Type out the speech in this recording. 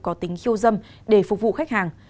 có tính khiêu dâm để phục vụ khách hàng